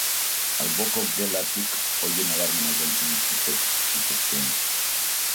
Alboko gelatik ohiu nabarmenak entzun zitezkeen.